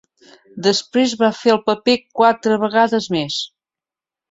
Després va fer el paper quatre vegades més.